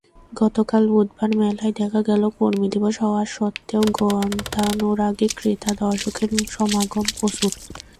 গতকাল বুধবার মেলায় দেখা গেল কর্মদিবস হওয়া সত্ত্বেও গ্রন্থানুরাগী ক্রেতা-দর্শকদের সমাগম প্রচুর।